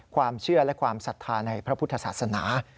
ความเชื่อและความศรัทธาในพระพุทธศาสนา